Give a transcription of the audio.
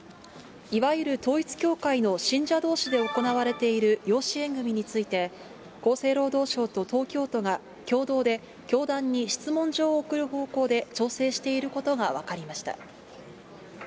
いわゆる統一教会の信者どうしで行われている養子縁組みについて、厚生労働省と東京都が共同で教団に質問状を送る方向で調整していることが分かりました。